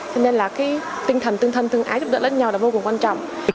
thế nên là cái tinh thần tương thân tương ái giúp đỡ đất nhau là vô cùng quan trọng